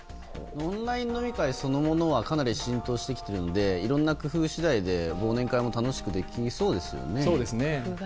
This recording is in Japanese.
オンライン飲み会そのものはかなり浸透してきてるのでいろんな工夫次第で忘年会も楽しくできそうですよね。